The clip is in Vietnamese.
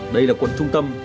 đây là quận trung tâm